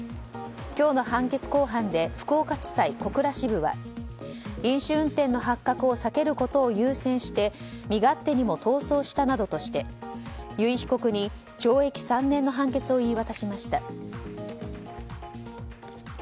今日の判決公判で福岡地裁小倉支部は飲酒運転の発覚を避けることを優先して身勝手にも逃走したなどとして由井被告に懲役３年の判決を言い渡しました。